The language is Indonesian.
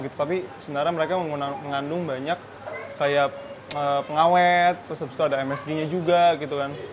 tapi sebenarnya mereka mengandung banyak kayak pengawet terus habis itu ada msg nya juga gitu kan